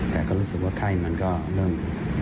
แต่ก็รู้สึกว่าไข้มันก็เริ่ม